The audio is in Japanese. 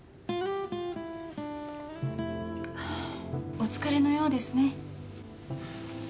・お疲れのようですね。